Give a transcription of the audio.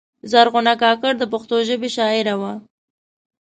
زرغونه کاکړه د پښتو ژبې شاعره وه.